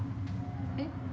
えっ？